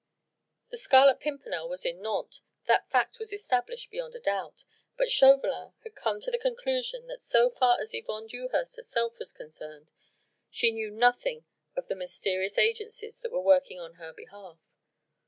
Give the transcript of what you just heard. The Scarlet Pimpernel was in Nantes that fact was established beyond a doubt but Chauvelin had come to the conclusion that so far as Yvonne Dewhurst herself was concerned, she knew nothing of the mysterious agencies that were working on her behalf.